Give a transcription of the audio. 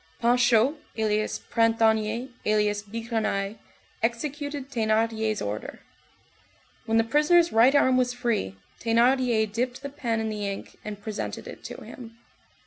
Panchaud, alias Printanier, alias Bigrenaille, executed Thénardier's order. When the prisoner's right arm was free, Thénardier dipped the pen in the ink and presented it to him.